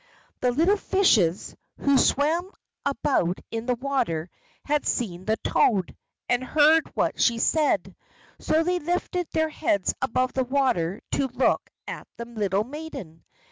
The little fishes, who swam about in the water, had seen the toad, and heard what she said, so they lifted their heads above the water to look at the little maiden.